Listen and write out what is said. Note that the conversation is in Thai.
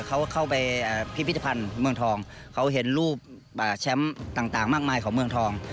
เขาเข้าไปพิพิธภัณฑ์เมืองทองเขาเห็นรูปแชมป์ต่างมากมายของเมืองทอง